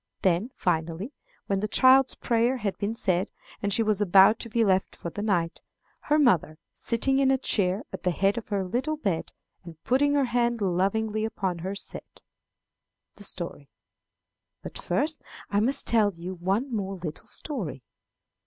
Then, finally, when the child's prayer had been said, and she was about to be left for the night, her mother, sitting in a chair at the head of her little bed, and putting her hand lovingly upon her, said: The Story. "But first I must tell you one more little story.